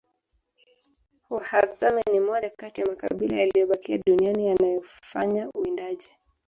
wahadzabe ni moja Kati ya makabila yaliyobakia duniani yanayofanya uwindaji